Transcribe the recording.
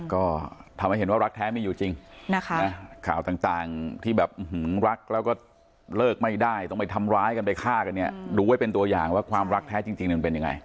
ก็ทำให้เห็นว่ารักแท้ไม่อยู่จริงนะคะข่าวต่างที่แบบรักแล้วก็เลิกไม่ได้ต้องไปทำร้ายกันไปฆ่ากันเนี่ยดูไว้เป็นตัวอย่างว่าความรักแท้จริงมันเป็นยังไง